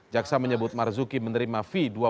jaksa menyebut marzuki menerima fee dua puluh miliar rupiah